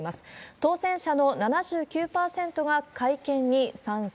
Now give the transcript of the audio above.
当選者の７９％が改憲に賛成。